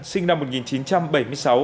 sinh năm một nghìn chín trăm bảy mươi sáu